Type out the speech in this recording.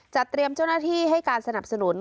เตรียมเจ้าหน้าที่ให้การสนับสนุน